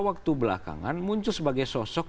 waktu belakangan muncul sebagai sosok